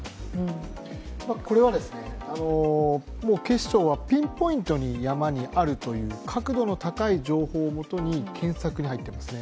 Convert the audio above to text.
これは警視庁はピンポイントに山にあるという確度の高い情報を基に検索に入っていますね。